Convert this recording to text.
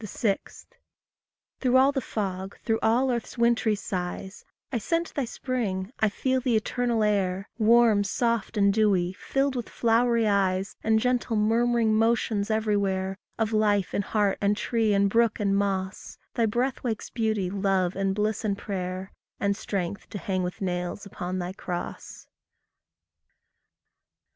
6. Through all the fog, through all earth's wintery sighs, I scent Thy spring, I feel the eternal air, Warm, soft, and dewy, filled with flowery eyes, And gentle, murmuring motions everywhere Of life in heart, and tree, and brook, and moss; Thy breath wakes beauty, love, and bliss, and prayer, And strength to hang with nails upon thy cross.